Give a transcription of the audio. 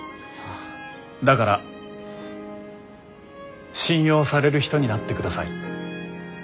だから信用される人になってください。